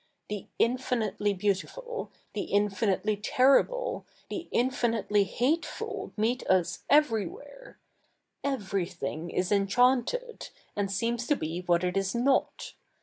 The infinitely beautiful, the infinitely terrible, the infi?iitely hateful meet us everywhe7r. Eve7y thing is enchanted, and see7ns to be what it is 7iot.